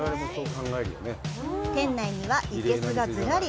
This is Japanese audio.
店内には生けすがずらり！